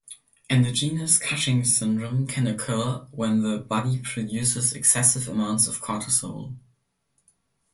Endogenous Cushing's syndrome can occur when the body produces excessive amounts of cortisol.